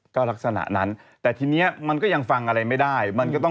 ก็ลักษณะนั้นแต่ทีเนี่ยมันก็ยังฟังอะไรไม่ได้